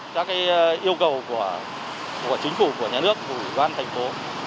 các yêu cầu của chính phủ của nhà nước của ủy ban thành phố